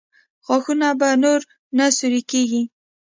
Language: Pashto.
غاښونه به نور نه سوري کېږي؟